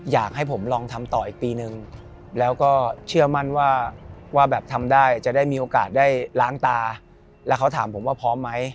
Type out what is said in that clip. อยากให้ผมลองทำต่ออีกปีนึงแล้วก็เชื่อมั่นว่าแบบทำได้จะได้มีโอกาสได้ล้างตาแล้วเขาถามผมว่าพร้อมไหม